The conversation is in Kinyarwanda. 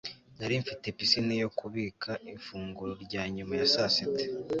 nari mfite pisine yo kubika ifunguro rya nyuma ya saa sita